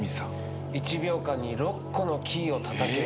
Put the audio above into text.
１秒間に６個のキーをたたく。